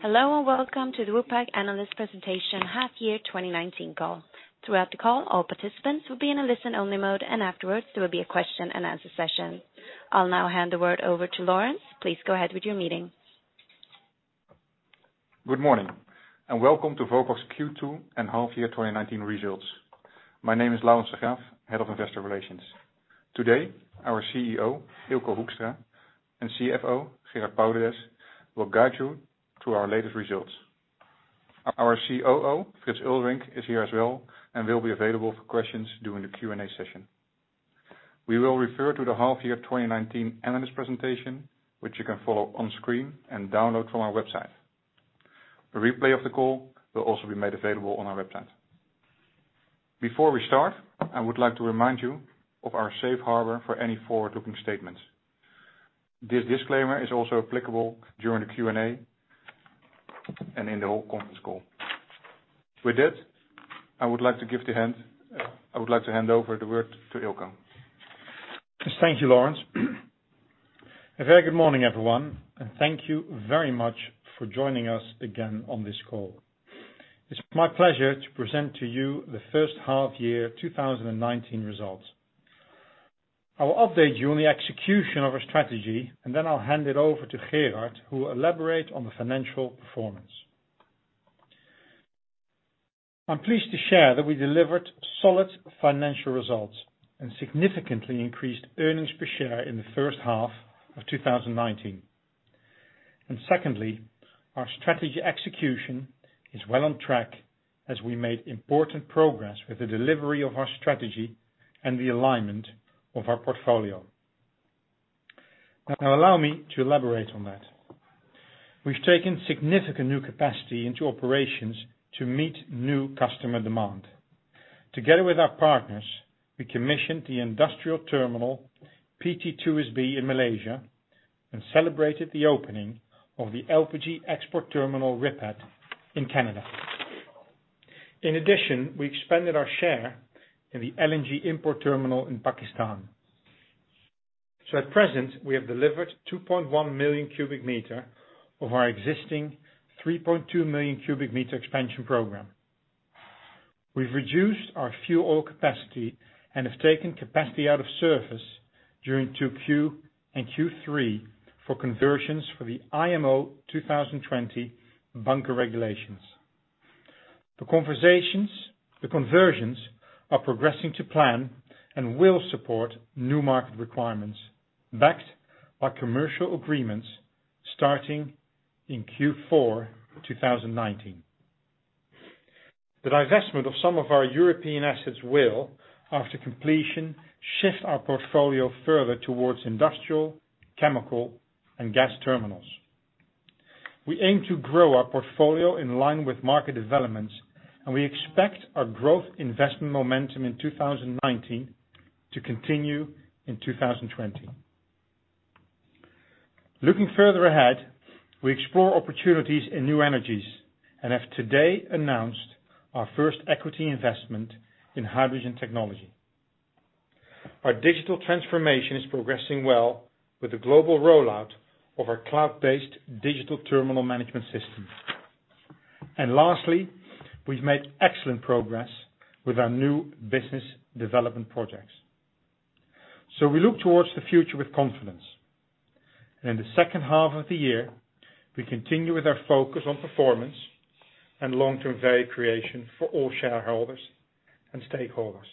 Hello and welcome to the Vopak Analyst Presentation Half Year 2019 call. Throughout the call, all participants will be in a listen-only mode, and afterwards there will be a question-and-answer session. I'll now hand the word over to Laurens. Please go ahead with your meeting. Good morning, welcome to Vopak's Q2 and Half Year 2019 results. My name is Laurens de Graaf, Head of Investor Relations. Today, our CEO, Eelco Hoekstra, and CFO, Gerard Paulides, will guide you through our latest results. Our COO, Frits Eulderink, is here as well and will be available for questions during the Q&A session. We will refer to the Half Year 2019 analyst presentation, which you can follow on screen and download from our website. A replay of the call will also be made available on our website. Before we start, I would like to remind you of our safe harbor for any forward-looking statements. This disclaimer is also applicable during the Q&A and in the whole conference call. With that, I would like to hand over the word to Eelco. Thank you, Laurens. A very good morning, everyone, and thank you very much for joining us again on this call. It's my pleasure to present to you the first half year 2019 results. I will update you on the execution of our strategy, and then I'll hand it over to Gerard, who will elaborate on the financial performance. I'm pleased to share that we delivered solid financial results and significantly increased earnings per share in the first half of 2019. Secondly, our strategy execution is well on track as we made important progress with the delivery of our strategy and the alignment of our portfolio. Now allow me to elaborate on that. We've taken significant new capacity into operations to meet new customer demand. Together with our partners, we commissioned the industrial terminal PT2SB in Malaysia and celebrated the opening of the LPG export terminal, RIPET, in Canada. We expanded our share in the LNG import terminal in Pakistan. At present, we have delivered 2.1 million cubic meter of our existing 3.2 million cubic meter expansion program. We've reduced our fuel oil capacity and have taken capacity out of service during 2Q and Q3 for conversions for the IMO 2020 bunker regulations. The conversions are progressing to plan and will support new market requirements backed by commercial agreements starting in Q4 2019. The divestment of some of our European assets will, after completion, shift our portfolio further towards industrial, chemical, and gas terminals. We aim to grow our portfolio in line with market developments, and we expect our growth investment momentum in 2019 to continue in 2020. Looking further ahead, we explore opportunities in new energies and have today announced our first equity investment in hydrogen technology. Our digital transformation is progressing well with the global rollout of our cloud-based digital terminal management system. Lastly, we've made excellent progress with our new business development projects. We look towards the future with confidence. In the second half of the year, we continue with our focus on performance and long-term value creation for all shareholders and stakeholders.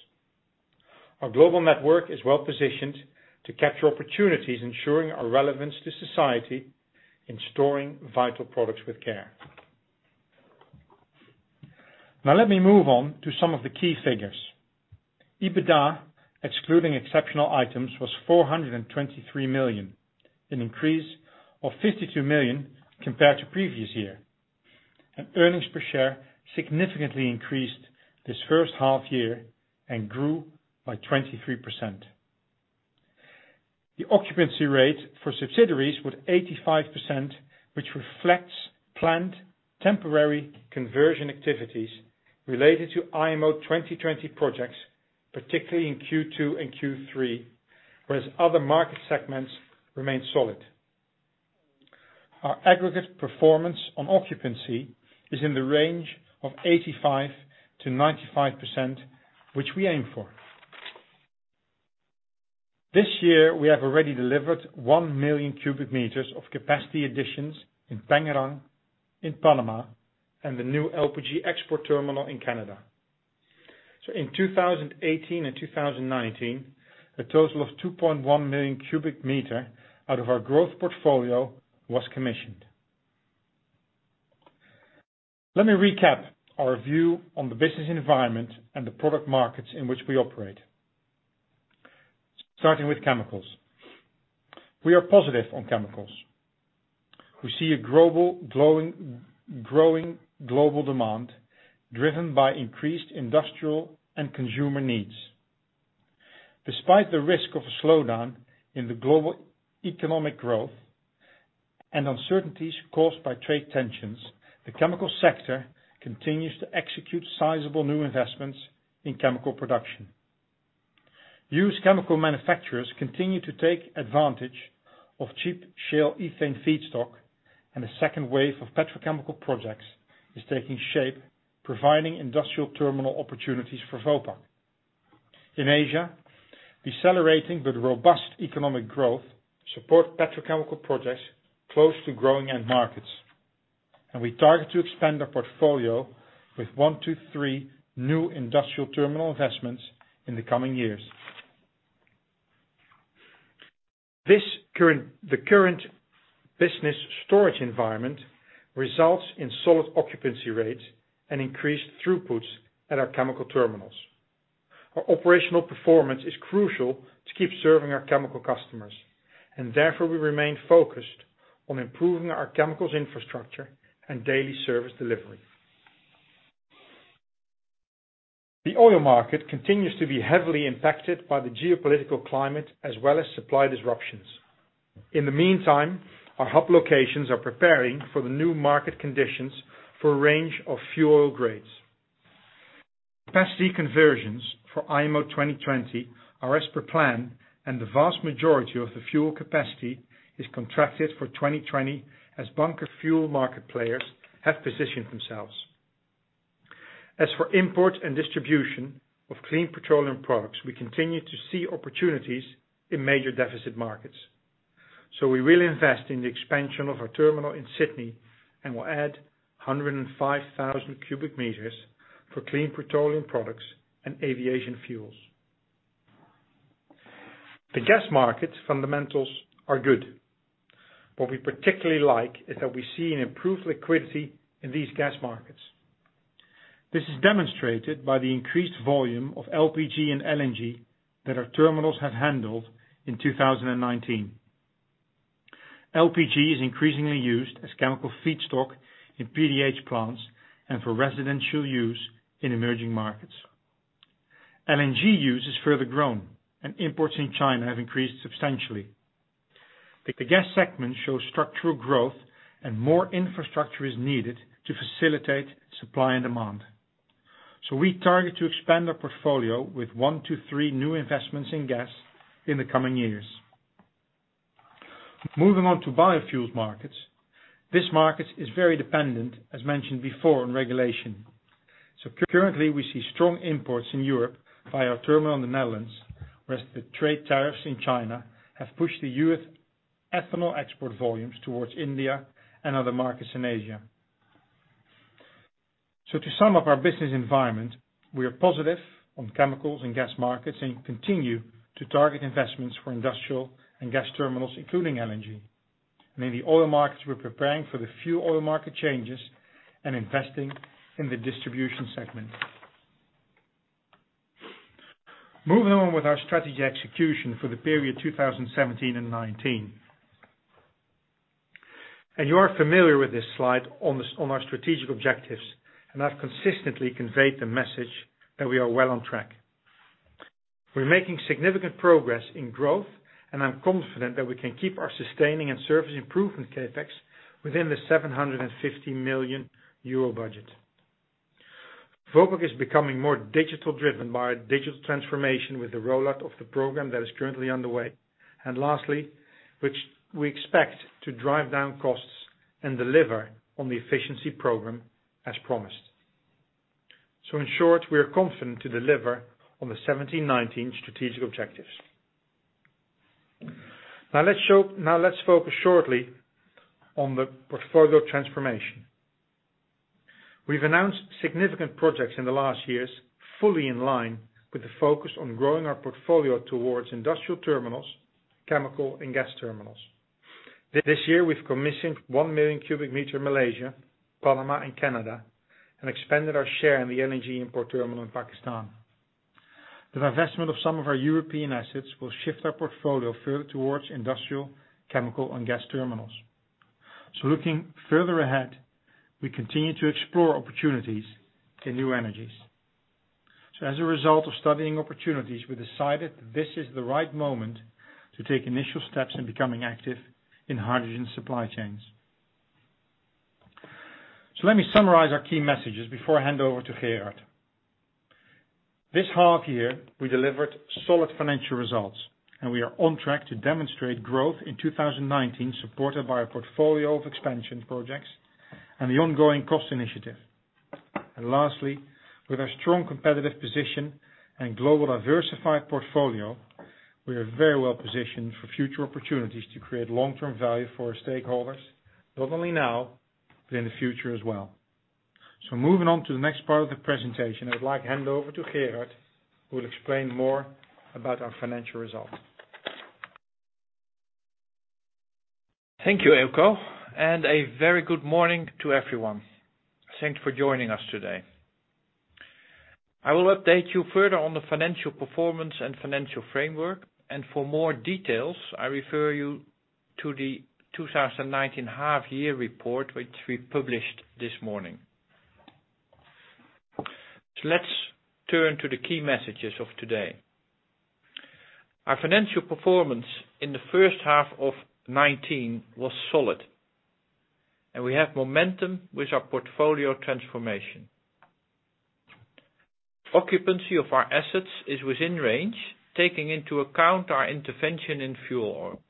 Our global network is well positioned to capture opportunities, ensuring our relevance to society in storing vital products with care. Now let me move on to some of the key figures. EBITDA, excluding exceptional items, was 423 million, an increase of 52 million compared to previous year. Earnings per share significantly increased this first half year and grew by 23%. The occupancy rate for subsidiaries was 85%, which reflects planned temporary conversion activities related to IMO 2020 projects, particularly in Q2 and Q3, whereas other market segments remained solid. Our aggregate performance on occupancy is in the range of 85%-95%, which we aim for. This year, we have already delivered 1 million cubic meters of capacity additions in Pengerang, in Panama, and the new LPG export terminal in Canada. In 2018 and 2019, a total of 2.1 million cubic meter out of our growth portfolio was commissioned. Let me recap our view on the business environment and the product markets in which we operate. Starting with chemicals. We are positive on chemicals. We see a growing global demand driven by increased industrial and consumer needs. Despite the risk of a slowdown in the global economic growth and uncertainties caused by trade tensions, the chemical sector continues to execute sizable new investments in chemical production. U.S. chemical manufacturers continue to take advantage of cheap shale ethane feedstock, and a second wave of petrochemical projects is taking shape, providing industrial terminal opportunities for Vopak. In Asia, decelerating but robust economic growth support petrochemical projects close to growing end markets. We target to expand our portfolio with 1-3 new industrial terminal investments in the coming years. The current business storage environment results in solid occupancy rates and increased throughputs at our chemical terminals. Our operational performance is crucial to keep serving our chemical customers, and therefore, we remain focused on improving our chemicals infrastructure and daily service delivery. The oil market continues to be heavily impacted by the geopolitical climate as well as supply disruptions. Our hub locations are preparing for the new market conditions for a range of fuel oil grades. Capacity conversions for IMO 2020 are as per plan and the vast majority of the fuel capacity is contracted for 2020 as bunker fuel market players have positioned themselves. We will invest in the expansion of our terminal in Sydney and will add 105,000 cubic meters for clean petroleum products and aviation fuels. The gas market fundamentals are good. What we particularly like is that we see an improved liquidity in these gas markets. This is demonstrated by the increased volume of LPG and LNG that our terminals have handled in 2019. LPG is increasingly used as chemical feedstock in PDH plants and for residential use in emerging markets. LNG use has further grown. Imports in China have increased substantially. The gas segment shows structural growth and more infrastructure is needed to facilitate supply and demand. We target to expand our portfolio with one to three new investments in gas in the coming years. Moving on to biofuels markets. This market is very dependent, as mentioned before, on regulation. Currently we see strong imports in Europe by our terminal in the Netherlands, whereas the trade tariffs in China have pushed the U.S. ethanol export volumes towards India and other markets in Asia. To sum up our business environment, we are positive on chemicals and gas markets and continue to target investments for industrial and gas terminals, including LNG. In the oil markets, we're preparing for the few oil market changes and investing in the distribution segment. Moving on with our strategy execution for the period 2017 and 2019. You are familiar with this slide on our strategic objectives, and I've consistently conveyed the message that we are well on track. We're making significant progress in growth, and I'm confident that we can keep our sustaining and service improvement CapEx within the 750 million euro budget. Vopak is becoming more digital driven by our digital transformation with the rollout of the program that is currently underway. Lastly, which we expect to drive down costs and deliver on the efficiency program as promised. In short, we are confident to deliver on the 2017, 2019 strategic objectives. Let's focus shortly on the portfolio transformation. We've announced significant projects in the last years, fully in line with the focus on growing our portfolio towards industrial terminals, chemical and gas terminals. This year, we've commissioned 1 million cubic meter Malaysia, Panama, and Canada, and expanded our share in the energy import terminal in Pakistan. The divestment of some of our European assets will shift our portfolio further towards industrial, chemical, and gas terminals. Looking further ahead, we continue to explore opportunities in new energies. As a result of studying opportunities, we decided this is the right moment to take initial steps in becoming active in hydrogen supply chains. Let me summarize our key messages before I hand over to Gerard. This half year, we delivered solid financial results, and we are on track to demonstrate growth in 2019, supported by a portfolio of expansion projects and the ongoing cost initiative. Lastly, with our strong competitive position and global diversified portfolio, we are very well positioned for future opportunities to create long-term value for our stakeholders, not only now, but in the future as well. Moving on to the next part of the presentation, I would like to hand over to Gerard, who will explain more about our financial results. Thank you, Eelco. A very good morning to everyone. Thanks for joining us today. I will update you further on the financial performance and financial framework. For more details, I refer you to the 2019 half year report, which we published this morning. Let's turn to the key messages of today. Our financial performance in the first half of 2019 was solid. We have momentum with our portfolio transformation. Occupancy of our assets is within range, taking into account our intervention in fuel oil.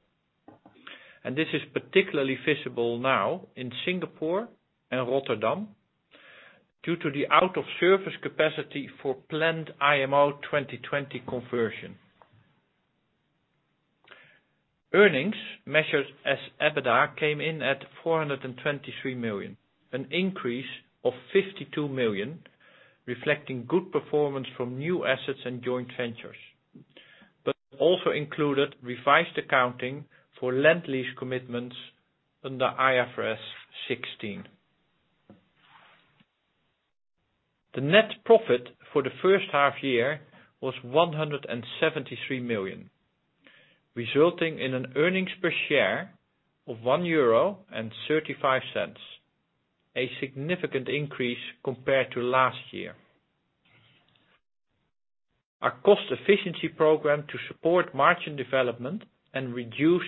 This is particularly visible now in Singapore and Rotterdam due to the out of service capacity for planned IMO 2020 conversion. Earnings measured as EBITDA came in at 423 million, an increase of 52 million, reflecting good performance from new assets and joint ventures, but also included revised accounting for land lease commitments under IFRS 16. The net profit for the first half year was 173 million, resulting in an earnings per share of 1.35 euro, a significant increase compared to last year. Our cost efficiency program to support margin development and reduce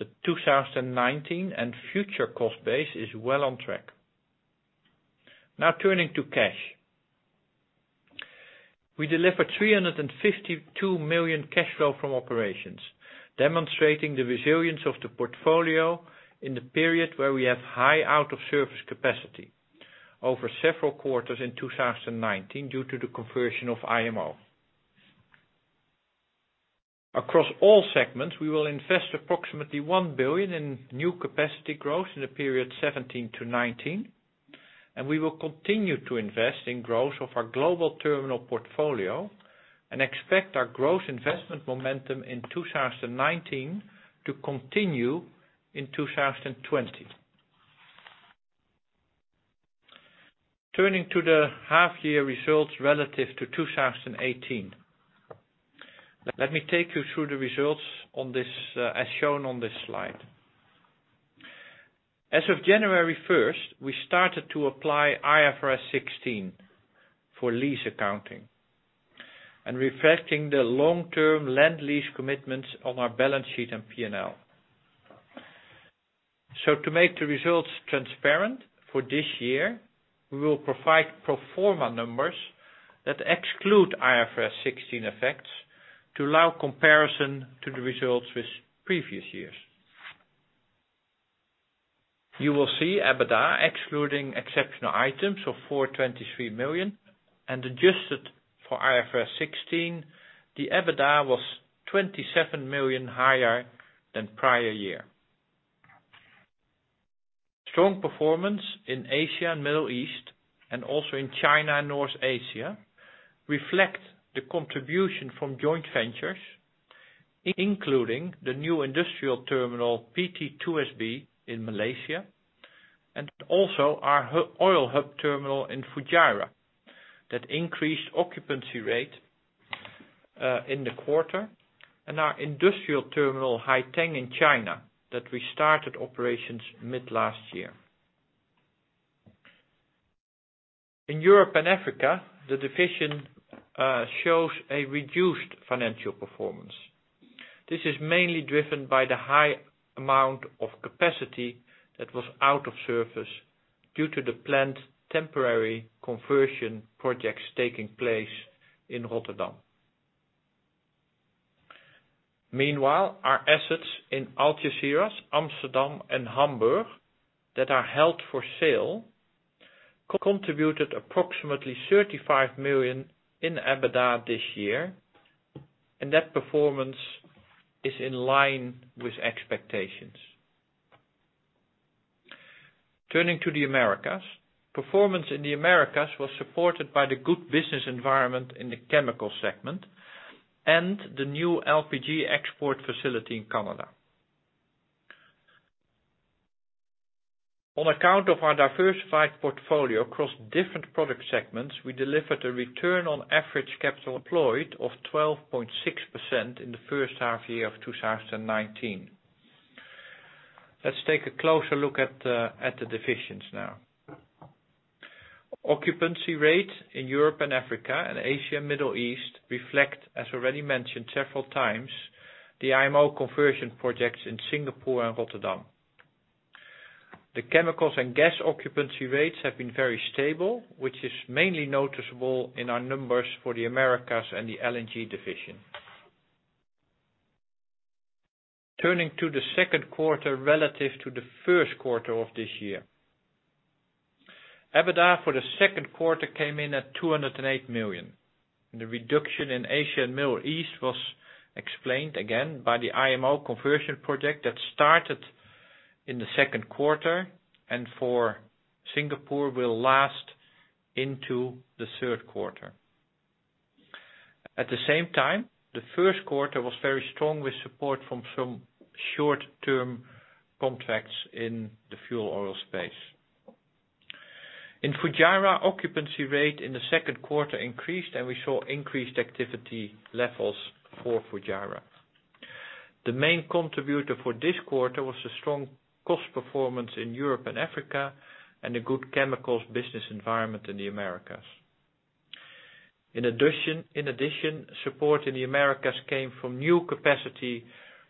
the 2019 and future cost base is well on track. Now turning to cash. We delivered 352 million cash flow from operations, demonstrating the resilience of the portfolio in the period where we have high out of service capacity over several quarters in 2019 due to the conversion of IMO. Across all segments, we will invest approximately 1 billion in new capacity growth in the period 2017-2019. We will continue to invest in growth of our global terminal portfolio and expect our growth investment momentum in 2019 to continue in 2020. Turning to the half year results relative to 2018. Let me take you through the results as shown on this slide. As of January 1st, we started to apply IFRS 16 for lease accounting and reflecting the long-term land lease commitments on our balance sheet and P&L. To make the results transparent for this year, we will provide pro forma numbers that exclude IFRS 16 effects to allow comparison to the results with previous years. You will see EBITDA excluding exceptional items of 423 million and adjusted for IFRS 16, the EBITDA was 27 million higher than prior year. Strong performance in Asia and Middle East and also in China and North Asia reflect the contribution from joint ventures, including the new industrial terminal, PT2SB in Malaysia and also our oil hub terminal in Fujairah that increased occupancy rate in the quarter and our industrial terminal, Haiteng in China that we started operations mid last year. In Europe and Africa, the division shows a reduced financial performance. This is mainly driven by the high amount of capacity that was out of service due to the planned temporary conversion projects taking place in Rotterdam. Meanwhile, our assets in Algeciras, Amsterdam, and Hamburg that are held for sale contributed approximately 35 million in EBITDA this year, and that performance is in line with expectations. Turning to the Americas. Performance in the Americas was supported by the good business environment in the chemical segment and the new LPG export facility in Canada. On account of our diversified portfolio across different product segments, we delivered a return on average capital employed of 12.6% in the first half year of 2019. Let's take a closer look at the divisions now. Occupancy rate in Europe and Africa and Asia and Middle East reflect, as already mentioned several times, the IMO conversion projects in Singapore and Rotterdam. The chemicals and gas occupancy rates have been very stable, which is mainly noticeable in our numbers for the Americas and the LNG division. Turning to the second quarter relative to the first quarter of this year. EBITDA for the second quarter came in at 208 million. The reduction in Asia and Middle East was explained again by the IMO conversion project that started in the second quarter and for Singapore will last into the third quarter. At the same time, the first quarter was very strong with support from some short-term contracts in the fuel oil space. In Fujairah, occupancy rate in the second quarter increased, and we saw increased activity levels for Fujairah. The main contributor for this quarter was the strong cost performance in Europe and Africa and a good chemicals business environment in the Americas. In addition, support in the Americas came from new capacity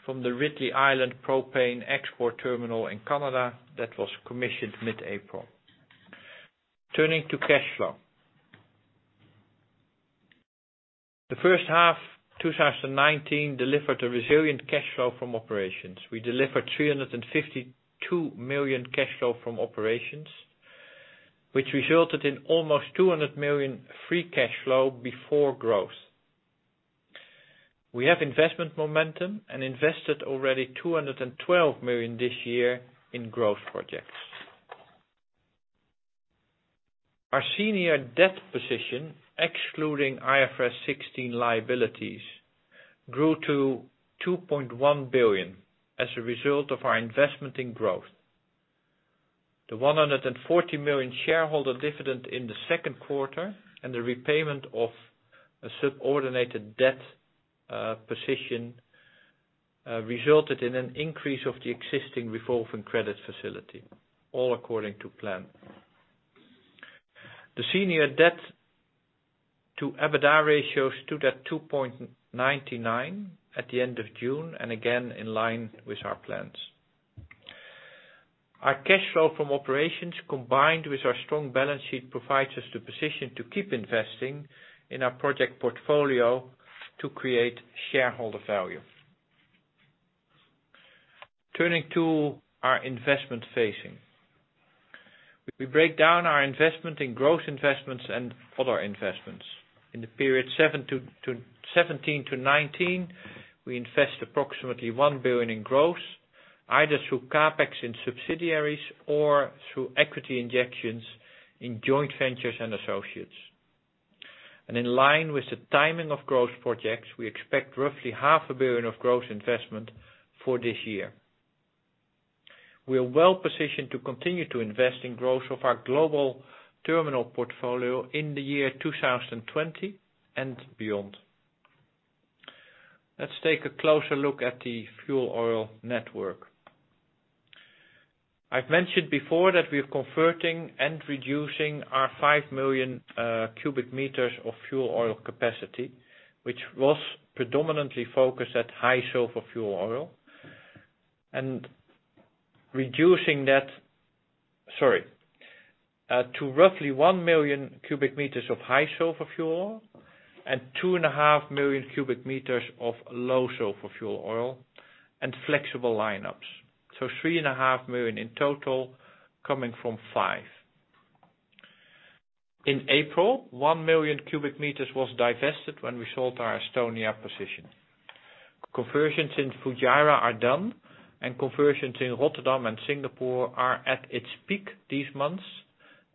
from the Ridley Island Propane Export Terminal in Canada that was commissioned mid-April. Turning to cash flow. The first half 2019 delivered a resilient cash flow from operations. We delivered 352 million cash flow from operations, which resulted in almost 200 million free cash flow before growth. We have investment momentum and invested already 212 million this year in growth projects. Our senior debt position, excluding IFRS 16 liabilities, grew to $2.1 billion as a result of our investment in growth. The 140 million shareholder dividend in the second quarter and the repayment of a subordinated debt position, resulted in an increase of the existing revolving credit facility, all according to plan. The senior debt to EBITDA ratio stood at 2.99 at the end of June, in line with our plans. Our cash flow from operations, combined with our strong balance sheet, provides us the position to keep investing in our project portfolio to create shareholder value. Turning to our investment phasing. We break down our investment in growth investments and other investments. In the period 2017 to 2019, we invest approximately 1 billion in growth, either through CapEx in subsidiaries or through equity injections in joint ventures and associates. In line with the timing of growth projects, we expect roughly EUR half a billion of growth investment for this year. We are well-positioned to continue to invest in growth of our global terminal portfolio in the year 2020 and beyond. Let's take a closer look at the fuel oil network. I've mentioned before that we're converting and reducing our 5 million cubic meters of fuel oil capacity, which was predominantly focused at high sulfur fuel oil and reducing that to roughly 1 million cubic meters of high sulfur fuel and 2.5 million cubic meters of low sulfur fuel oil and flexible lineups. 3.5 million in total, coming from 5. In April, 1 million cubic meters was divested when we sold our Estonia position. Conversions in Fujairah are done and conversions in Rotterdam and Singapore are at its peak these months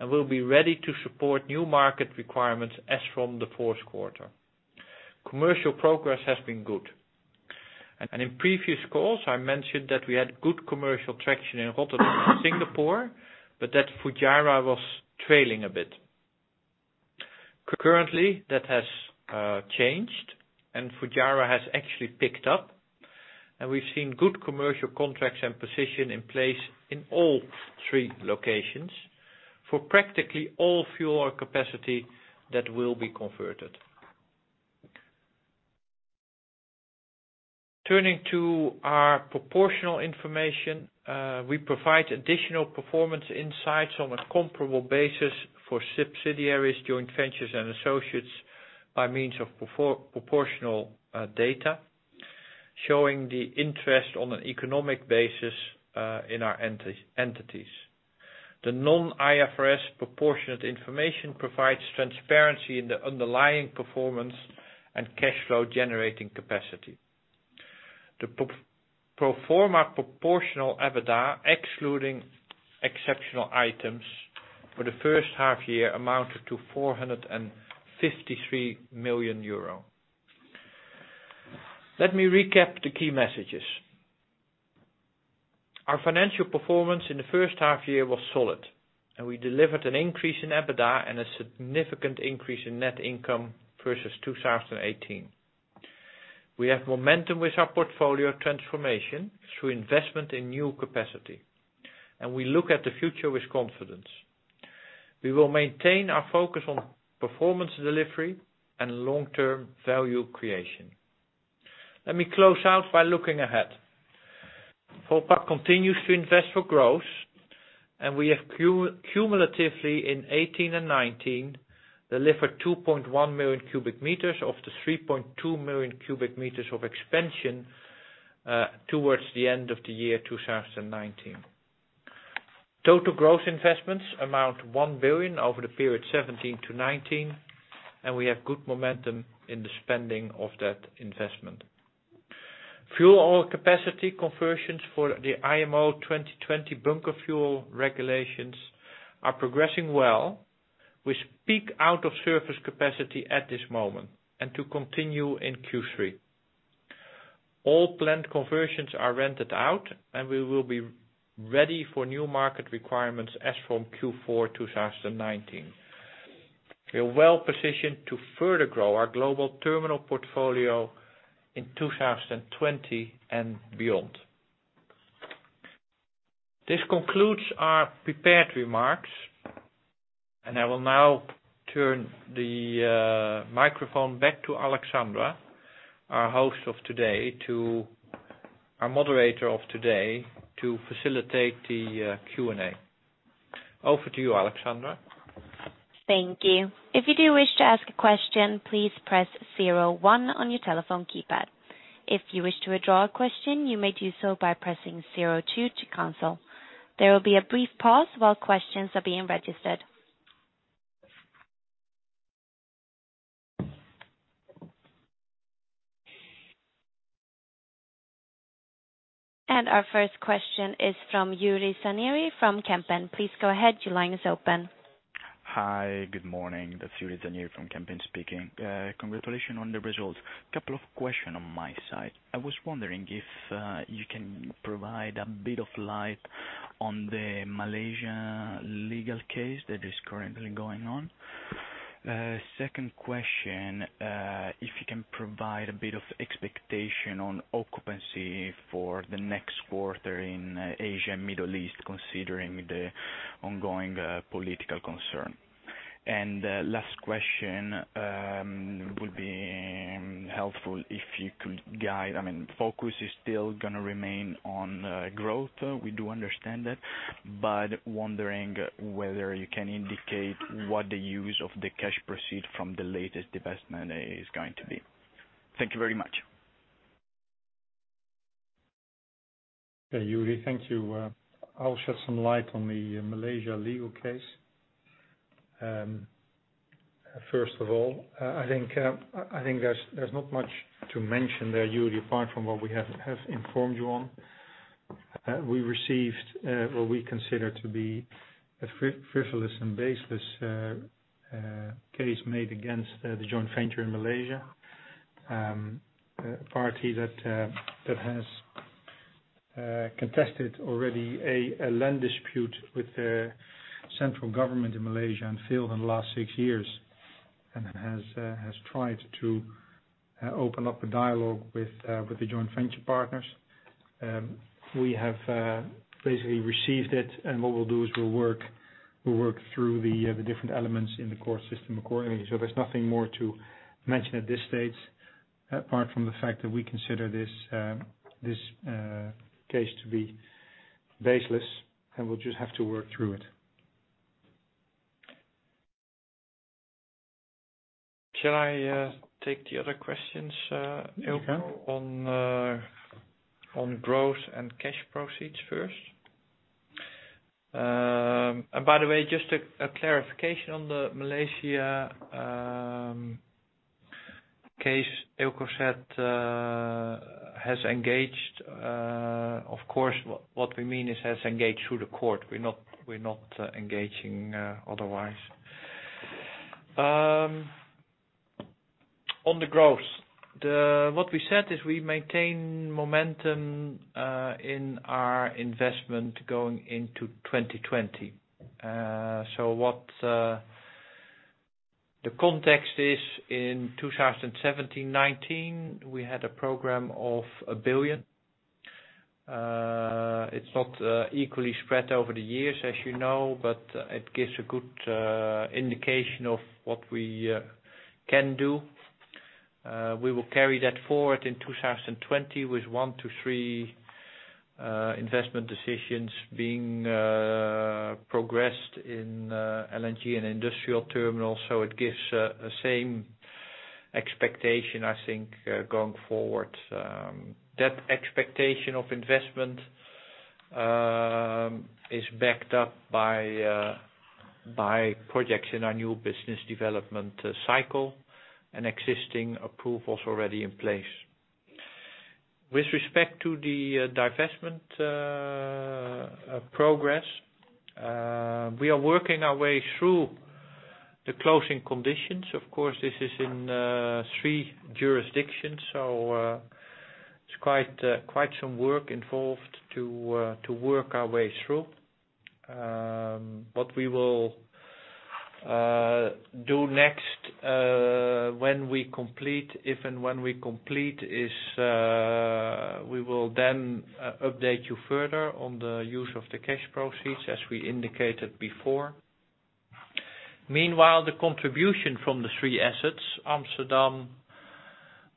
and will be ready to support new market requirements as from the fourth quarter. Commercial progress has been good. In previous calls, I mentioned that we had good commercial traction in Rotterdam and Singapore, but that Fujairah was trailing a bit. Currently, that has changed. Fujairah has actually picked up and we've seen good commercial contracts and position in place in all three locations for practically all fuel capacity that will be converted. Turning to our proportional information, we provide additional performance insights on a comparable basis for subsidiaries, joint ventures, and associates by means of proportional data, showing the interest on an economic basis, in our entities. The non-IFRS proportionate information provides transparency in the underlying performance and cash flow generating capacity. The pro forma proportional EBITDA, excluding exceptional items for the first half year, amounted to 453 million euro. Let me recap the key messages. Our financial performance in the first half year was solid and we delivered an increase in EBITDA and a significant increase in net income versus 2018. We have momentum with our portfolio transformation through investment in new capacity. We look at the future with confidence. We will maintain our focus on performance delivery and long-term value creation. Let me close out by looking ahead. Vopak continues to invest for growth. We have cumulatively in 2018 and 2019, delivered 2.1 million cubic meters of the 3.2 million cubic meters of expansion towards the end of the year 2019. Total growth investments amount 1 billion over the period 2017-2019. We have good momentum in the spending of that investment. Fuel oil capacity conversions for the IMO 2020 bunker fuel regulations are progressing well with peak out of surface capacity at this moment and to continue in Q3. All planned conversions are rented out. We will be ready for new market requirements as from Q4 2019. We are well positioned to further grow our global terminal portfolio in 2020 and beyond. This concludes our prepared remarks, and I will now turn the microphone back to Alexandra, our host of today, our moderator of today, to facilitate the Q&A. Over to you, Alexandra. Thank you. If you do wish to ask a question, please press 01 on your telephone keypad. If you wish to withdraw a question, you may do so by pressing 02 to cancel. There will be a brief pause while questions are being registered. Our first question is from Juri Zanieri from Kempen. Please go ahead. Your line is open. Hi. Good morning. That's Juri Zanieri from Kempen speaking. Congratulations on the results. Couple of question on my side. I was wondering if you can provide a bit of light on the Malaysian legal case that is currently going on. Second question, if you can provide a bit of expectation on occupancy for the next quarter in Asia and Middle East, considering the ongoing political concern. Last question, would be helpful if you could guide, focus is still going to remain on growth. We do understand that, but wondering whether you can indicate what the use of the cash proceed from the latest divestment is going to be. Thank you very much. Hey, Juri. Thank you. I'll shed some light on the Malaysia legal case. First of all, I think there's not much to mention there, Juri, apart from what we have informed you on. We received what we consider to be a frivolous and baseless case made against the joint venture in Malaysia. A party that has contested already a land dispute with the central government in Malaysia and failed in the last six years and has tried to open up a dialogue with the joint venture partners. What we'll do is we'll work through the different elements in the court system accordingly. There's nothing more to mention at this stage, apart from the fact that we consider this case to be baseless and we'll just have to work through it. Shall I take the other questions? You can. Eelco, on growth and cash proceeds first? By the way, just a clarification on the Malaysia case. Eelco said, "Has engaged," of course, what we mean is has engaged through the court. We're not engaging otherwise. On the growth. What we said is we maintain momentum in our investment going into 2020. What the context is, in 2017, 2019, we had a program of 1 billion. It's not equally spread over the years, as you know, but it gives a good indication of what we can do. We will carry that forward in 2020 with one to three investment decisions being progressed in LNG and industrial terminals. It gives the same expectation, I think, going forward. That expectation of investment is backed up by projects in our new business development cycle and existing approvals already in place. With respect to the divestment progress, we are working our way through the closing conditions. Of course, this is in three jurisdictions, it's quite some work involved to work our way through. What we will do next, when we complete, if and when we complete is, we will then update you further on the use of the cash proceeds as we indicated before. Meanwhile, the contribution from the three assets, Amsterdam,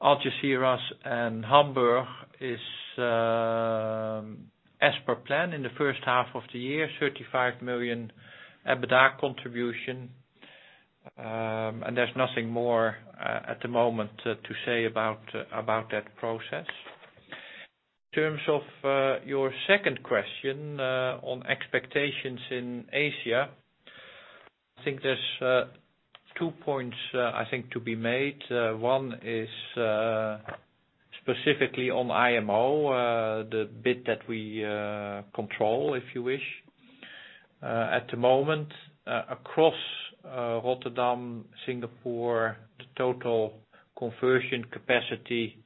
Algeciras, and Hamburg, is as per plan in the first half of the year, 35 million EBITDA contribution. There's nothing more at the moment to say about that process. Terms of your second question on expectations in Asia, I think there's two points I think to be made. One is specifically on IMO, the bit that we control, if you wish. At the moment, across Rotterdam, Singapore, the total conversion capacity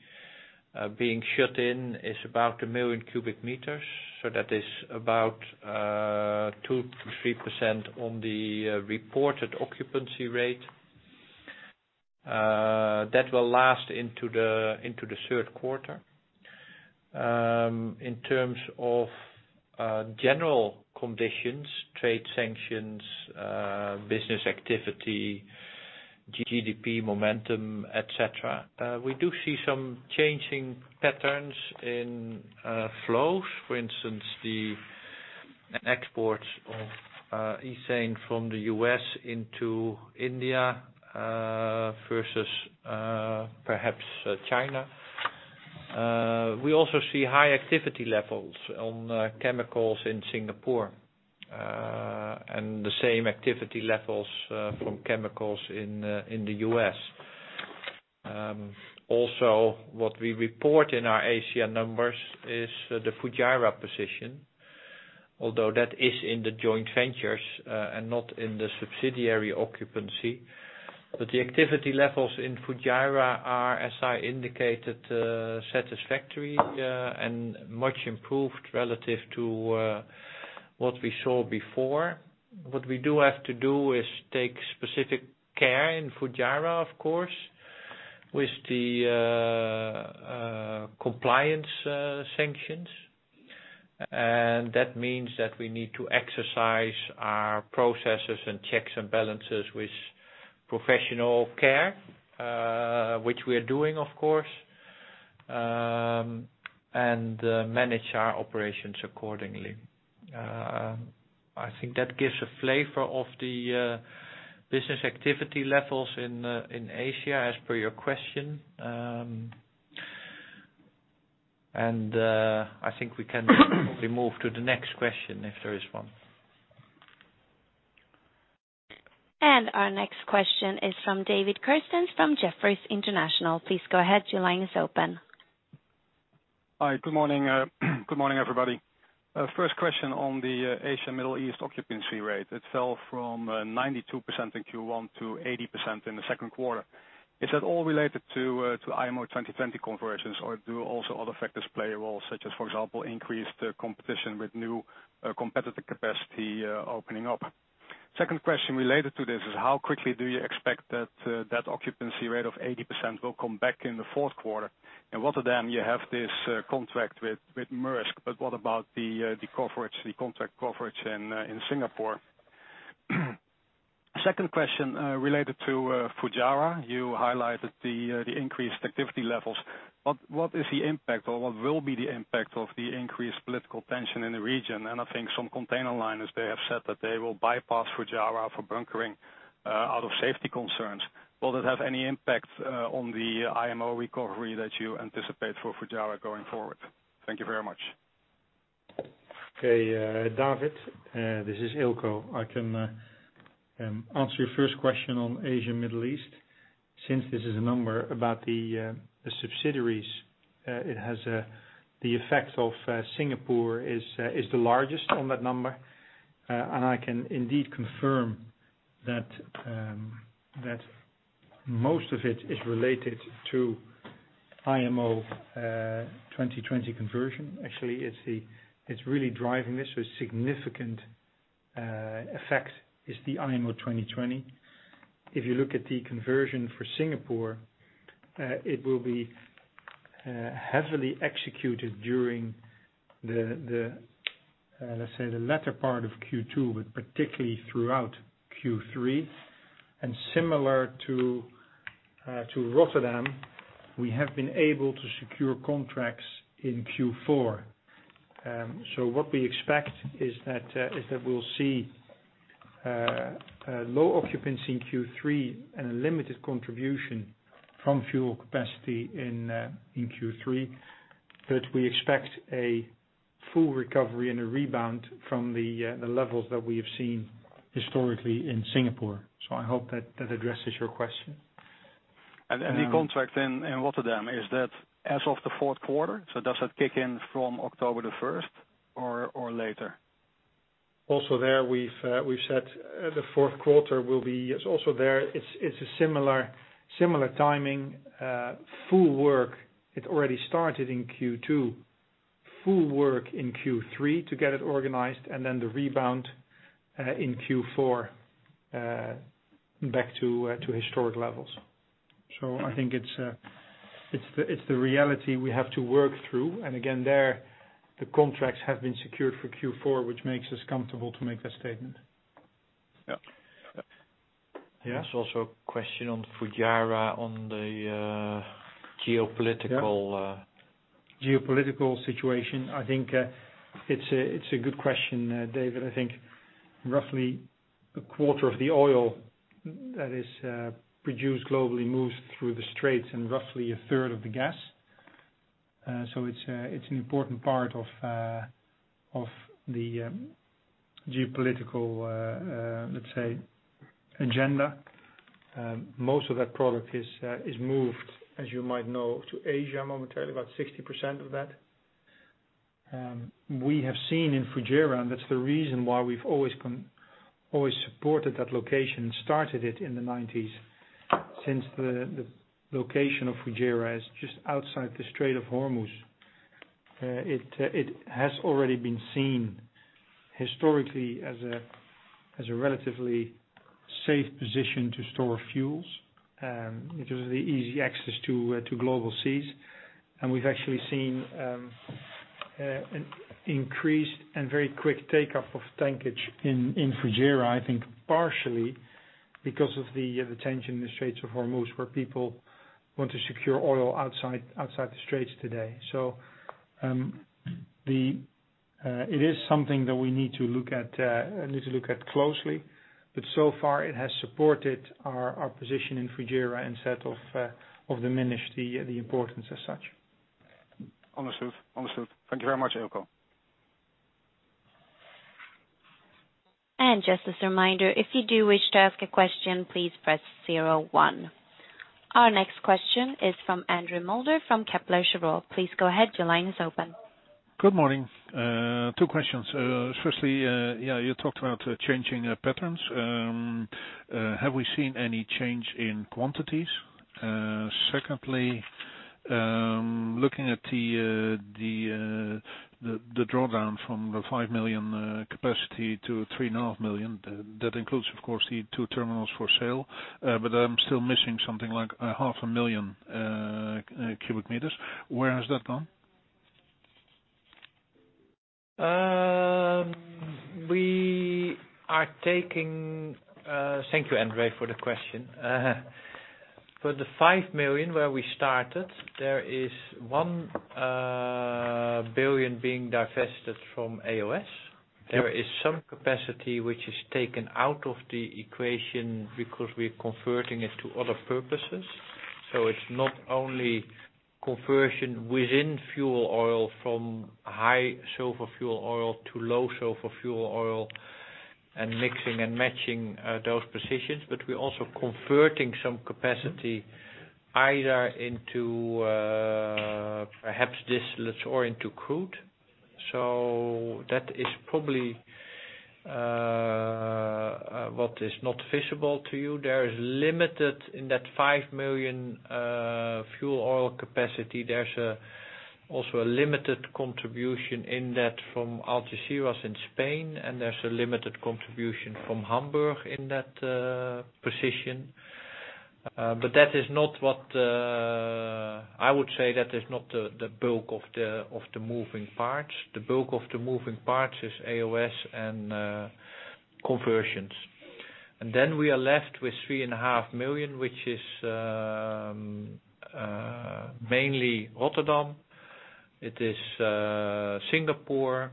being shut in is about 1 million cubic meters, so that is about 2%-3% on the reported occupancy rate. That will last into the third quarter. In terms of general conditions, trade sanctions, business activity, GDP momentum, et cetera, we do see some changing patterns in flows. For instance, the exports of ethane from the U.S. into India versus perhaps China. We also see high activity levels on chemicals in Singapore and the same activity levels from chemicals in the U.S. Also, what we report in our Asia numbers is the Fujairah position, although that is in the joint ventures and not in the subsidiary occupancy. The activity levels in Fujairah are, as I indicated, satisfactory and much improved relative to what we saw before. What we do have to do is take specific care in Fujairah, of course, with the compliance sanctions. That means that we need to exercise our processes and checks and balances with professional care, which we are doing, of course, and manage our operations accordingly. I think that gives a flavor of the business activity levels in Asia as per your question. I think we can probably move to the next question if there is one. Our next question is from David Kerstens from Jefferies International. Please go ahead. Your line is open. Hi. Good morning, everybody. First question on the Asia Middle East occupancy rate. It fell from 92% in Q1 to 80% in the second quarter. Is that all related to IMO 2020 conversions? Do also other factors play a role such as, for example, increased competition with new competitive capacity opening up? Second question related to this is how quickly do you expect that occupancy rate of 80% will come back in the fourth quarter? In Rotterdam you have this contract with Maersk. What about the contract coverage in Singapore? Second question related to Fujairah. You highlighted the increased activity levels. What is the impact or what will be the impact of the increased political tension in the region? I think some container liners, they have said that they will bypass Fujairah for bunkering out of safety concerns. Will that have any impact on the IMO recovery that you anticipate for Fujairah going forward? Thank you very much. Okay, David, this is Eelco. I can answer your first question on Asia Middle East, since this is a number about the subsidiaries. It has the effect of Singapore is the largest on that number. I can indeed confirm that most of it is related to IMO 2020 conversion. Actually, it's really driving this. Significant effect is the IMO 2020. If you look at the conversion for Singapore, it will be heavily executed during the, let's say, the latter part of Q2, but particularly throughout Q3. Similar to Rotterdam, we have been able to secure contracts in Q4. What we expect is that we'll see low occupancy in Q3 and a limited contribution from fuel capacity in Q3. We expect a full recovery and a rebound from the levels that we have seen historically in Singapore. I hope that addresses your question. The contract in Rotterdam, is that as of the fourth quarter? Does that kick in from October 1st or later? There we've said the fourth quarter. It's a similar timing. Full work, it already started in Q2. Full work in Q3 to get it organized. Then the rebound in Q4 back to historic levels. I think it's the reality we have to work through. Again, there the contracts have been secured for Q4, which makes us comfortable to make that statement. Yeah. Yeah. There's also a question on Fujairah on the geopolitical situation. I think it's a good question, David. I think roughly a quarter of the oil that is produced globally moves through the Straits and roughly a third of the gas. It's an important part of the geopolitical, let's say, agenda. Most of that product is moved, as you might know, to Asia momentarily, about 60% of that. We have seen in Fujairah, and that's the reason why we've always supported that location and started it in the '90s. Since the location of Fujairah is just outside the Strait of Hormuz. It has already been seen historically as a relatively safe position to store fuels, due to the easy access to global seas. We've actually seen an increased and very quick take-up of tankage in Fujairah, I think partially because of the tension in the Straits of Hormuz, where people want to secure oil outside the Straits today. It is something that we need to look at closely. So far it has supported our position in Fujairah instead of diminish the importance as such. Understood. Thank you very much, Eelco. Just as a reminder, if you do wish to ask a question, please press zero one. Our next question is from Andre Mulder from Kepler Cheuvreux. Please go ahead. Your line is open. Good morning. Two questions. Firstly, you talked about changing patterns. Have we seen any change in quantities? Secondly, looking at the drawdown from the 5 million capacity to 3.5 million, that includes, of course, the two terminals for sale. I'm still missing something like half a million cubic meters. Where has that gone? Thank you, Andre, for the question. For the 5 million, where we started, there is 1 billion being divested from AOS. Yep. There is some capacity which is taken out of the equation because we're converting it to other purposes. It's not only conversion within fuel oil from high sulfur fuel oil to low sulfur fuel oil and mixing and matching those positions. We're also converting some capacity either into perhaps distillates or into crude. That is probably what is not visible to you. There is limited in that 5 million fuel oil capacity. There's also a limited contribution in that from Algeciras in Spain, and there's a limited contribution from Hamburg in that position. I would say that is not the bulk of the moving parts. The bulk of the moving parts is AOS and conversions. Then we are left with 3.5 million, which is mainly Rotterdam. It is Singapore,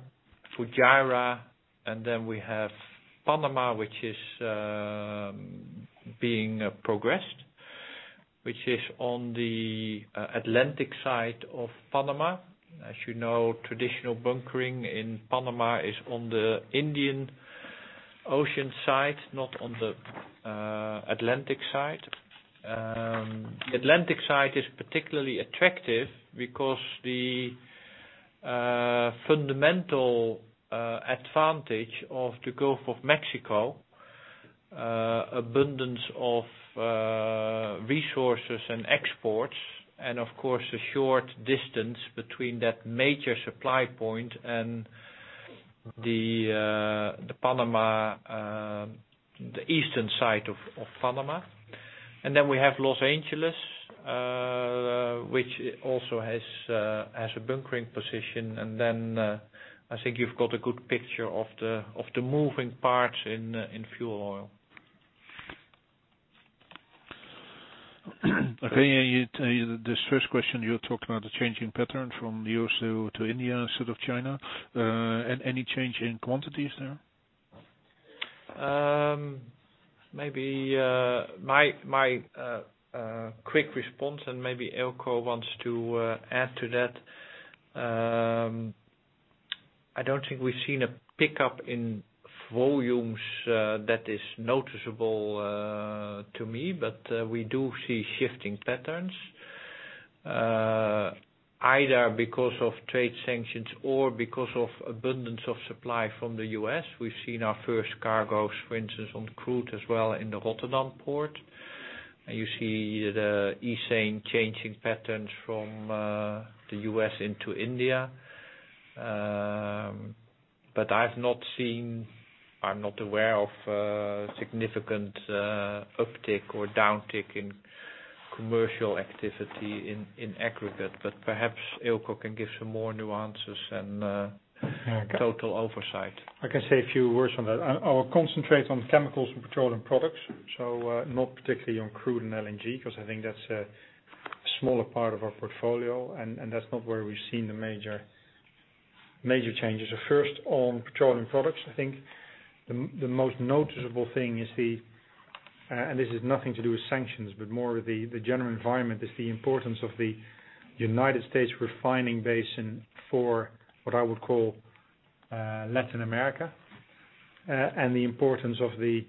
Fujairah, and then we have Panama, which is being progressed, which is on the Atlantic side of Panama. As you know, traditional bunkering in Panama is on the Pacific Ocean side, not on the Atlantic side. The Atlantic side is particularly attractive because the fundamental advantage of the Gulf of Mexico, abundance of resources and exports, and of course, a short distance between that major supply point and the eastern side of Panama. We have Los Angeles, which also has a bunkering position. I think you've got a good picture of the moving parts in fuel oil. Okay. This first question, you're talking about the changing pattern from the U.S. to India instead of China. Any change in quantities there? Maybe my quick response, and maybe Eelco wants to add to that. I don't think we've seen a pickup in volumes that is noticeable to me. We do see shifting patterns, either because of trade sanctions or because of abundance of supply from the U.S. We've seen our first cargoes, for instance, on crude as well in the Rotterdam port. You see the ethane changing patterns from the U.S. into India. I'm not aware of significant uptick or downtick in commercial activity in aggregate. Perhaps Eelco can give some more nuances and. Okay total oversight. I can say a few words on that. I will concentrate on chemicals and petroleum products, so not particularly on crude and LNG, because I think that's a smaller part of our portfolio, and that's not where we've seen the major changes. First, on petroleum products, I think the most noticeable thing is the, this is nothing to do with sanctions, but more the general environment, is the importance of the U.S. refining basin for what I would call Latin America, and the importance of the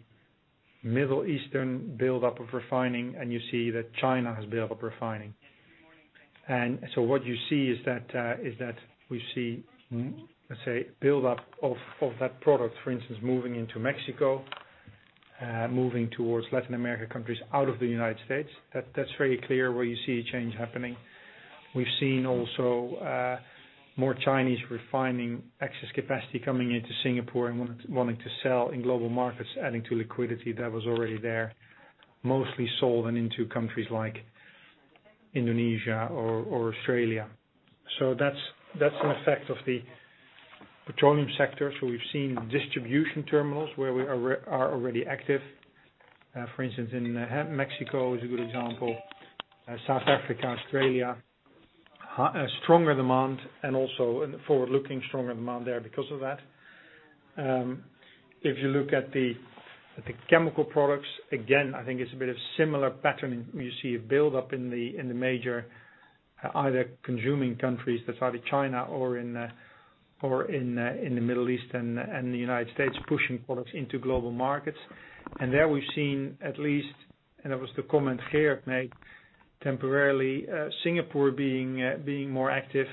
Middle Eastern buildup of refining. You see that China has built up refining. What you see is that we see, let's say, buildup of that product, for instance, moving into Mexico, moving towards Latin America countries out of the U.S. That's very clear where you see a change happening. We've seen also more Chinese refining excess capacity coming into Singapore and wanting to sell in global markets, adding to liquidity that was already there, mostly sold and into countries like Indonesia or Australia. That's an effect of the petroleum sector. We've seen distribution terminals where we are already active. For instance, Mexico is a good example. South Africa, Australia, a stronger demand and also a forward-looking stronger demand there because of that. If you look at the chemical products, again, I think it's a bit of similar pattern. You see a buildup in the major, either consuming countries that's either China or in the Middle East and the United States pushing products into global markets. There we've seen at least, and that was the comment Gerard made temporarily, Singapore being more active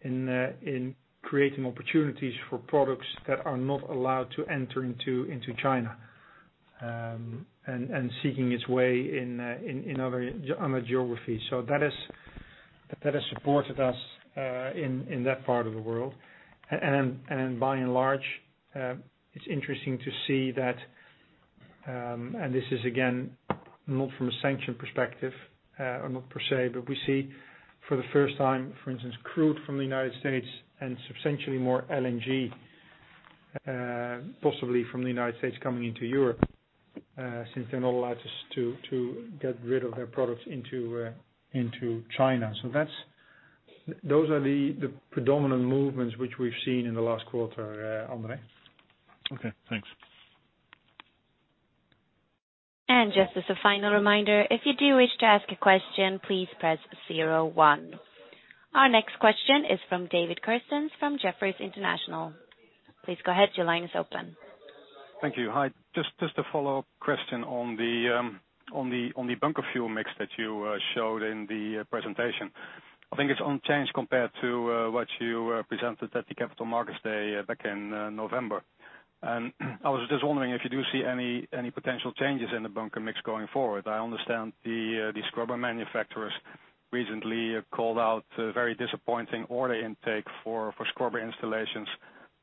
in creating opportunities for products that are not allowed to enter into China, and seeking its way in other geographies. That has supported us in that part of the world. By and large, it's interesting to see that, and this is again, not from a sanction perspective or not per se, but we see for the first time, for instance, crude from the U.S. and substantially more LNG, possibly from the U.S. coming into Europe, since they're not allowed to get rid of their products into China. Those are the predominant movements which we've seen in the last quarter, Andre. Okay, thanks. Just as a final reminder, if you do wish to ask a question, please press zero one. Our next question is from David Kerstens from Jefferies International. Please go ahead. Your line is open. Thank you. Hi. Just a follow-up question on the bunker fuel mix that you showed in the presentation. I think it's unchanged compared to what you presented at the Capital Markets Day back in November. I was just wondering if you do see any potential changes in the bunker mix going forward. I understand the scrubber manufacturers recently called out a very disappointing order intake for scrubber installations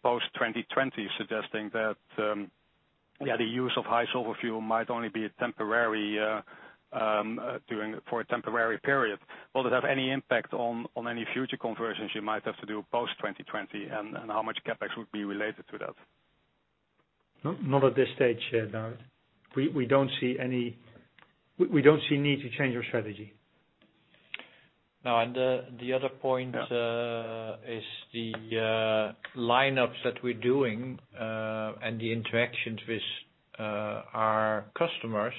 post 2020 suggesting that the use of high sulfur fuel might only be for a temporary period. Will it have any impact on any future conversions you might have to do post 2020, and how much CapEx would be related to that? Not at this stage, David. We don't see need to change our strategy. No, the other point is the lineups that we're doing, and the interactions with our customers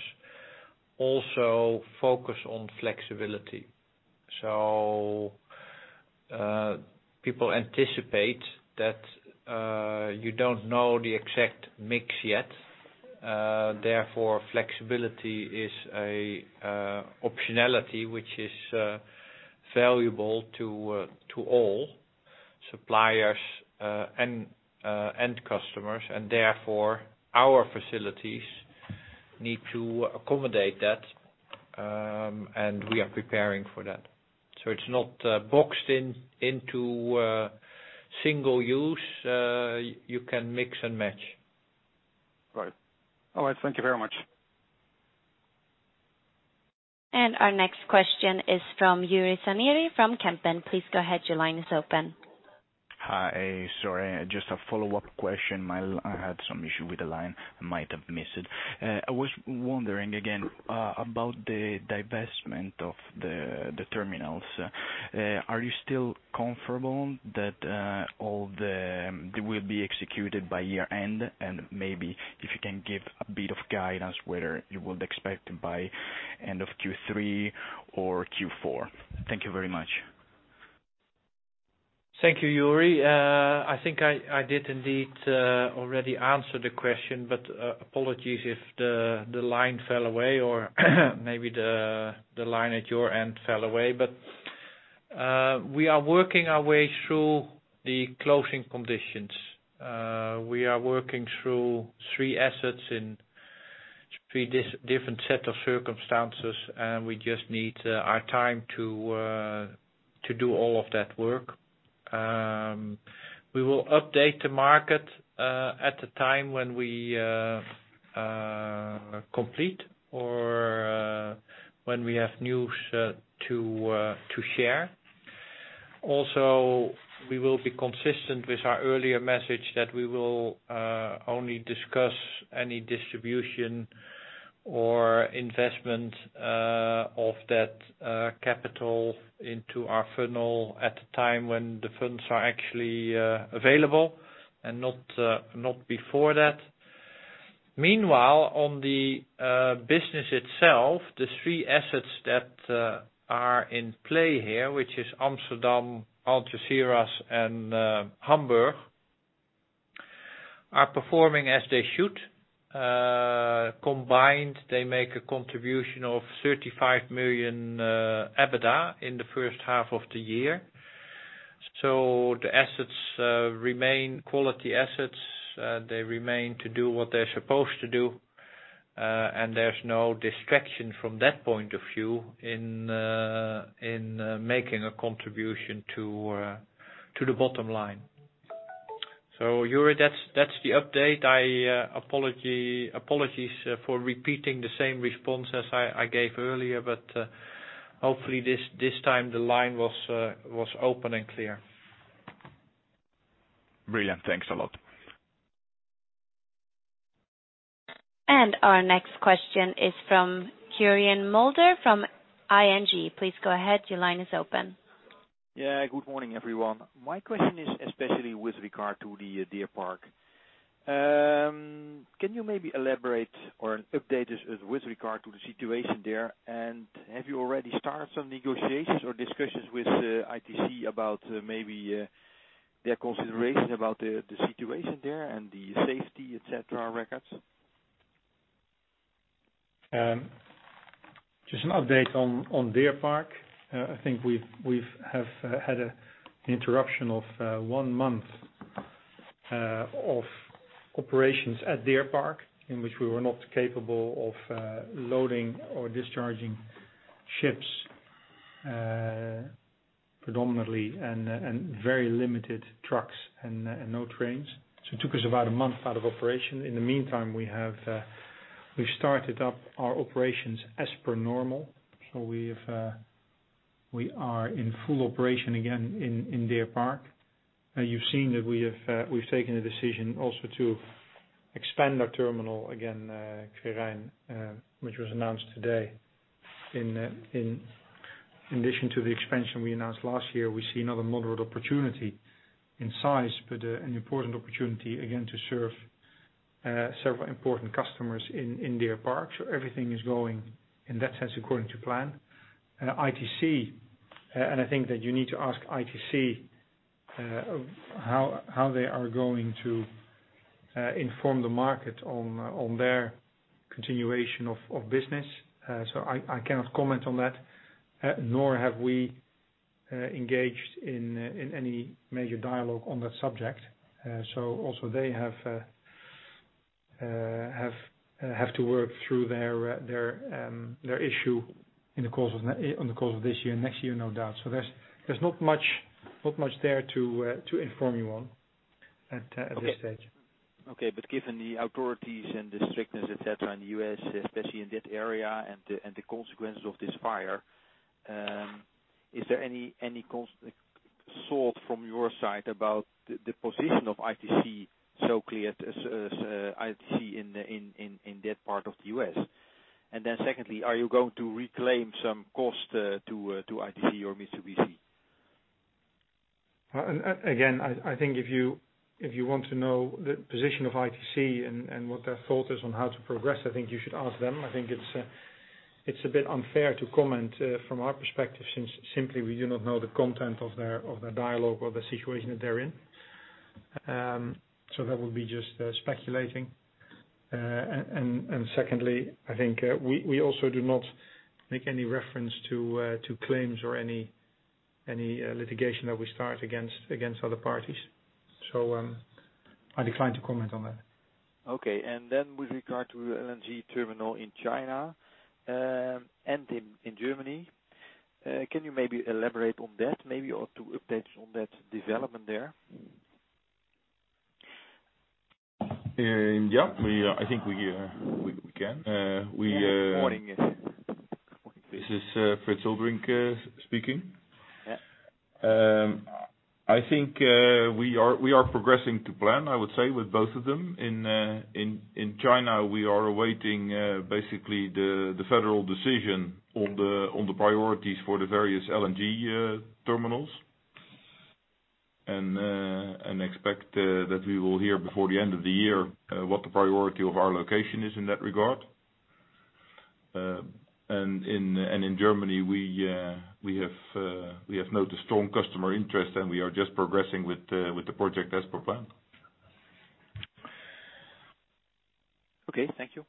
also focus on flexibility. People anticipate that you don't know the exact mix yet. Therefore, flexibility is a optionality, which is valuable to all suppliers and end customers, and therefore, our facilities need to accommodate that. We are preparing for that. It's not boxed into single use. You can mix and match. Right. All right. Thank you very much. Our next question is from Juri Zanieri from Kempen. Please go ahead. Your line is open. Hi. Sorry, just a follow-up question. I had some issue with the line, I might have missed it. I was wondering again, about the divestment of the terminals. Are you still comfortable that they will be executed by year-end? Maybe if you can give a bit of guidance whether you would expect by end of Q3 or Q4. Thank you very much. Thank you, Juri. I think I did indeed already answer the question, but apologies if the line fell away or maybe the line at your end fell away. We are working our way through the closing conditions. We are working through three assets in three different set of circumstances, and we just need our time to do all of that work. We will update the market at the time when we complete or when we have news to share. We will be consistent with our earlier message that we will only discuss any distribution or investment of that capital into our funnel at the time when the funds are actually available and not before that. Meanwhile, on the business itself, the three assets that are in play here, which is Amsterdam, Algeciras, and Hamburg, are performing as they should. Combined, they make a contribution of 35 million EBITDA in the first half of the year. The assets remain quality assets. They remain to do what they're supposed to do, and there's no distraction from that point of view in making a contribution to the bottom line. Juri, that's the update. Apologies for repeating the same response as I gave earlier, but hopefully this time the line was open and clear. Brilliant. Thanks a lot. Our next question is from Quirijn Mulder from ING. Please go ahead. Your line is open. Yeah. Good morning, everyone. My question is especially with regard to the Deer Park. Can you maybe elaborate or update us with regard to the situation there? Have you already started some negotiations or discussions with ITC about maybe their considerations about the situation there and the safety, et cetera, records? Just an update on Deer Park. I think we have had an interruption of one month of operations at Deer Park, in which we were not capable of loading or discharging ships predominantly, and very limited trucks and no trains. It took us about a month out of operation. In the meantime, we've started up our operations as per normal. We are in full operation again in Deer Park. You've seen that we've taken a decision also to expand our terminal again, Caojing, which was announced today. In addition to the expansion we announced last year, we see another moderate opportunity in size, but an important opportunity, again, to serve several important customers in Deer Park. Everything is going in that sense according to plan. ITC. I think that you need to ask ITC how they are going to inform the market on their continuation of business. I cannot comment on that, nor have we engaged in any major dialogue on that subject. Also they have to work through their issue on the course of this year, next year, no doubt. There's not much there to inform you on at this stage. Okay, given the authorities and the strictness, et cetera, in the U.S., especially in that area, and the consequences of this fire, is there any thought from your side about the position of ITC, so clear as ITC in that part of the U.S.? Secondly, are you going to reclaim some cost to ITC or Mitsubishi? I think if you want to know the position of ITC and what their thought is on how to progress, I think you should ask them. I think it's a bit unfair to comment from our perspective, since simply we do not know the content of their dialogue or the situation that they're in. That would be just speculating. Secondly, I think we also do not make any reference to claims or any litigation that we start against other parties. I decline to comment on that. Okay. Then with regard to LNG terminal in China and in Germany, can you maybe elaborate on that, maybe, or to update on that development there? Yeah, I think we can. Morning, yes. This is Frits Eulderink speaking. Yeah. I think we are progressing to plan, I would say with both of them. In China, we are awaiting basically the federal decision on the priorities for the various LNG terminals, and expect that we will hear before the end of the year what the priority of our location is in that regard. In Germany, we have noticed strong customer interest, and we are just progressing with the project as per plan. Okay, thank you.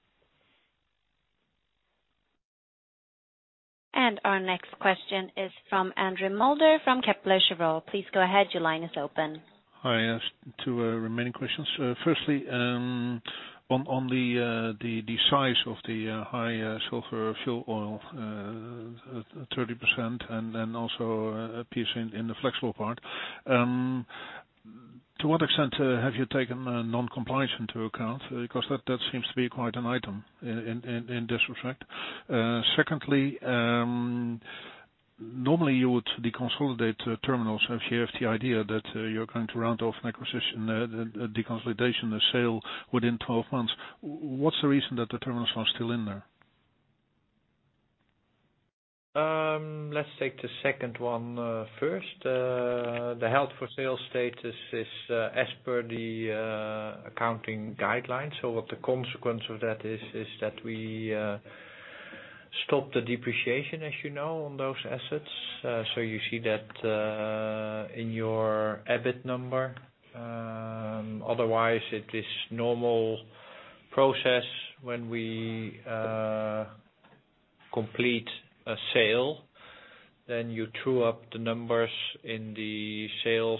Our next question is from Andre Mulder from Kepler Cheuvreux. Please go ahead. Your line is open. Hi. Yes, two remaining questions. Firstly, on the size of the high sulfur fuel oil, 30%, and then also a piece in the flexible part. To what extent have you taken non-compliance into account? Because that seems to be quite an item in this respect. Secondly, normally you would deconsolidate terminals if you have the idea that you're going to round off an acquisition, a deconsolidation, a sale within 12 months. What's the reason that the terminals are still in there? Let's take the second one first. The held for sale status is as per the accounting guidelines. What the consequence of that is that we stop the depreciation, as you know, on those assets. You see that in your EBIT number. Otherwise, it is normal process when we Complete a sale, then you true up the numbers in the sales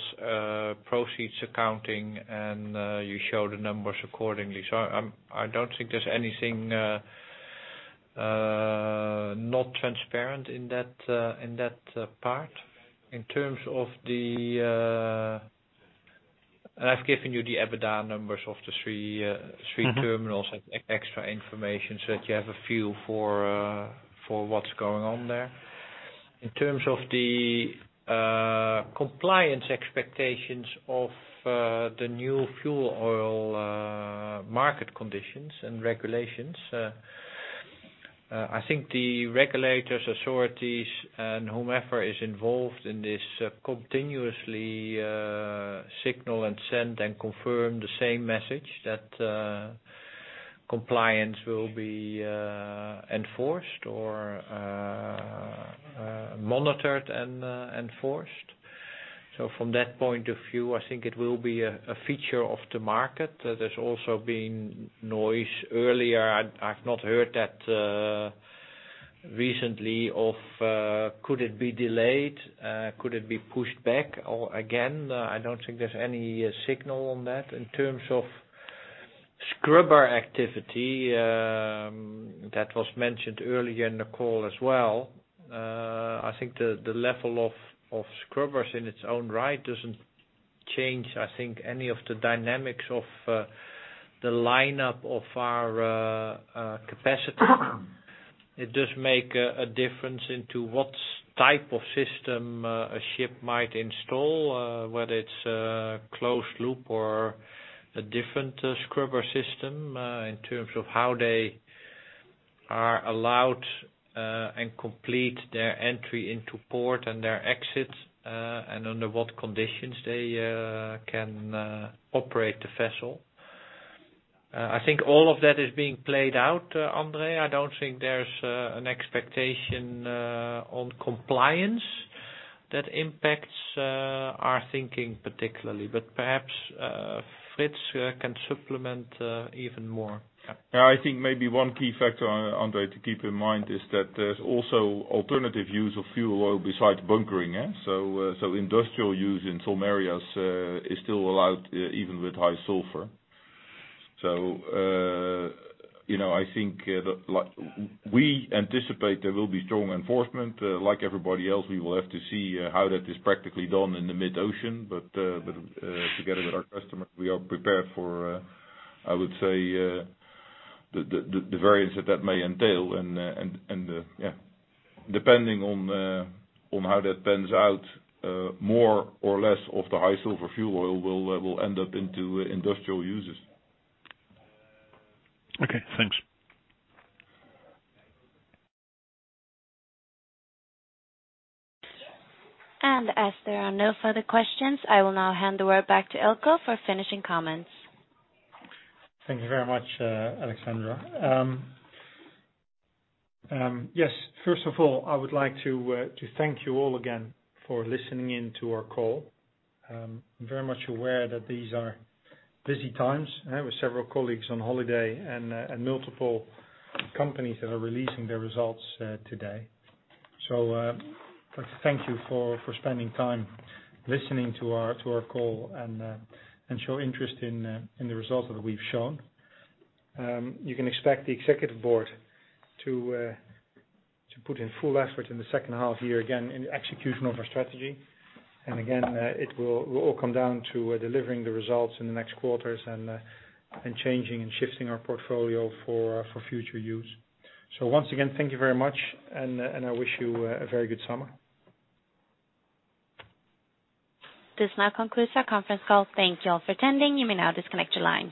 proceeds accounting, and you show the numbers accordingly. I don't think there's anything not transparent in that part. I've given you the EBITDA numbers of the three terminals as extra information so that you have a feel for what's going on there. In terms of the compliance expectations of the new bunker fuel market conditions and regulations, I think the regulators, authorities, and whomever is involved in this continuously signal and send and confirm the same message, that compliance will be enforced or monitored and enforced. From that point of view, I think it will be a feature of the market. There's also been noise earlier. I've not heard that recently of could it be delayed, could it be pushed back again. I don't think there's any signal on that. In terms of scrubber activity, that was mentioned earlier in the call as well. I think the level of scrubbers in its own right doesn't change, I think, any of the dynamics of the lineup of our capacity. It does make a difference into what type of system a ship might install, whether it's a closed loop or a different scrubber system. In terms of how they are allowed and complete their entry into port and their exits, and under what conditions they can operate the vessel. I think all of that is being played out, Andre. I don't think there's an expectation on compliance that impacts our thinking particularly. Perhaps Frits can supplement even more. I think maybe one key factor, Andre, to keep in mind is that there's also alternative use of fuel oil besides bunkering. Industrial use in some areas is still allowed even with high sulfur. I think we anticipate there will be strong enforcement. Like everybody else, we will have to see how that is practically done in the mid-ocean. Together with our customers, we are prepared for, I would say, the variance that that may entail, depending on how that pans out, more or less of the high sulfur fuel oil will end up into industrial uses. Okay, thanks. As there are no further questions, I will now hand the word back to Eelco for finishing comments. Thank you very much, Alexandra. First of all, I would like to thank you all again for listening in to our call. I'm very much aware that these are busy times. I have several colleagues on holiday and multiple companies that are releasing their results today. I'd like to thank you for spending time listening to our call and show interest in the results that we've shown. You can expect the executive board to put in full effort in the second half of the year, again, in the execution of our strategy. Again, it will all come down to delivering the results in the next quarters and changing and shifting our portfolio for future use. Once again, thank you very much, and I wish you a very good summer. This now concludes our conference call. Thank you all for attending. You may now disconnect your line.